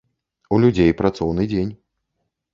У людзей працоўны дзень.